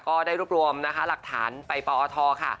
ก็ได้รวบรวมนะคะหลักฐานไปปอทค่ะ